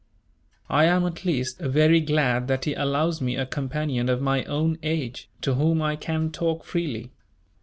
"I am, at least, very glad that he allows me a companion of my own age, to whom I can talk freely."